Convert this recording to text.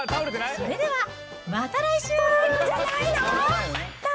それではまた来週。